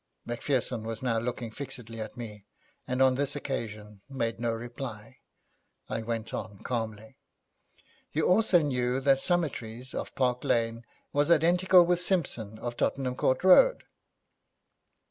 Macpherson was now looking fixedly at me, and on this occasion made no reply. I went on calmly: 'You also knew that Summertrees, of Park Lane, was identical with Simpson, of Tottenham Court Road?'